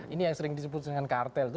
ini yang sering disebut dengan kartel itu